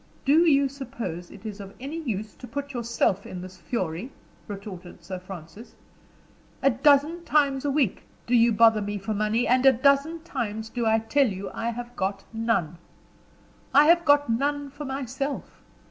"Do you suppose it is of any use to put yourself in this fury?" retorted Sir Francis. "A dozen times a week do you bother me for money and a dozen times do I tell you I have got none. I have got none for myself.